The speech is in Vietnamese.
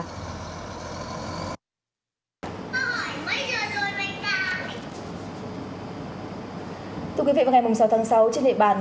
thưa quý vị vào ngày sáu tháng sáu trên địa bàn